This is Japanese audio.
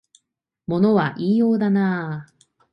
物は言いようだなあ